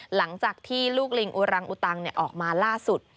หลังจากที่ลูกลิงอุรังอุตังออกมาล่าสุด